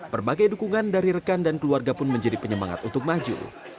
berbagai dukungan dari rekan dan keluarga pun menjadi penyemangat untuk maju